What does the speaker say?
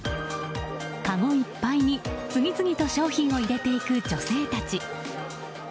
かごいっぱいに次々に商品を入れていく女性たち。